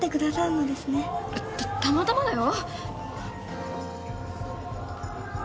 あったったまたまだよ。